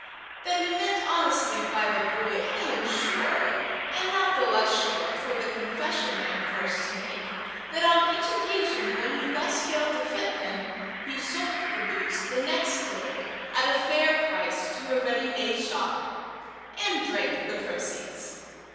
That he meant honestly by the boy I am sure, and not the less sure for the confession I am forced to make, that on each occasion when he thus failed to fit him, he sold the boots the next day at a fair price to a ready made shop, and drank the proceeds.